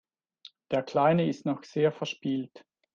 Der Kleine ist noch sehr verspielt.